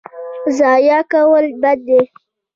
ضایع کول بد دی.